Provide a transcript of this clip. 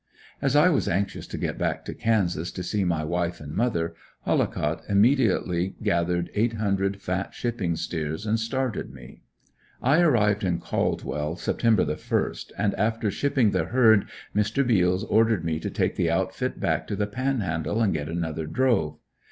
As I was anxious to get back to Kansas to see my wife and mother, Hollicott immediately gathered eight hundred fat shipping steers and started me. I arrived in Caldwell September the first, and after shipping the herd, Mr. Beals ordered me to take the outfit back to the Panhandle and get another drove.